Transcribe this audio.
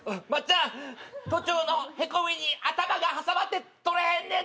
都庁のへこみに頭が挟まって取れへんねん！